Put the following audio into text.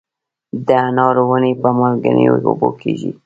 د انارو ونې په مالګینو اوبو کیږي؟